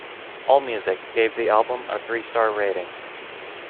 AllMusic gave the album a three star rating.